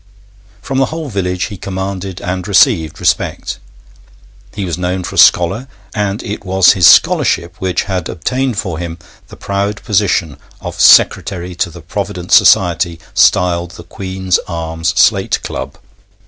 From the whole village he commanded and received respect. He was known for a scholar, and it was his scholarship which had obtained for him the proud position of secretary to the provident society styled the Queen's Arms Slate Club.